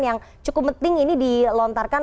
yang cukup penting ini dilontarkan